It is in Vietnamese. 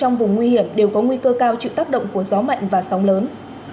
trong vùng nguy hiểm đều có nguy cơ cao chịu tác động của gió mạnh và sóng lớn